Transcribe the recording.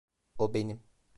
O benim.